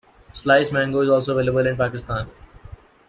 Slice mango is also available in Pakistan.